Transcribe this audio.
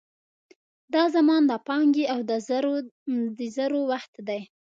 دا زمان د پانګې او د زرو وخت دی.